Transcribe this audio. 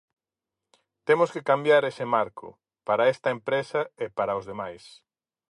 Temos que cambiar ese marco, para esta empresa e para os demais.